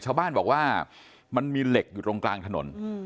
ชาวบ้านบอกว่ามันมีเหล็กอยู่ตรงกลางถนน